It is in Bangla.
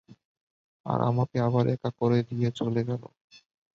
আর আমাকে আবার একা করে দিয়ে গেলো।